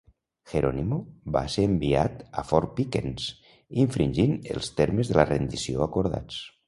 Geronimo va ser enviat a Fort Pickens, infringint els termes de la rendició acordats.